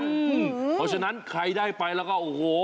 เพราะฉะนั้นใครได้ไปแล้วก็โอ้โห